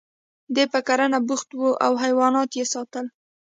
دی په کرنه بوخت و او حیوانات یې ساتل